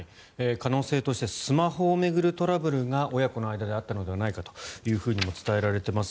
可能性としてスマホを巡るトラブルが親子の間であったのではないかとも伝えられています。